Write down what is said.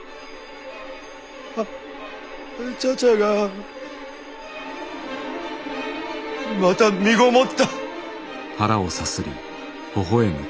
あ茶々がまたみごもった！